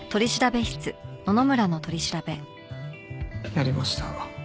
やりました。